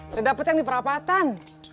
sudah dapet yang di perawatan